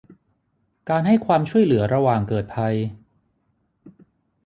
การให้ความช่วยเหลือระหว่างเกิดภัย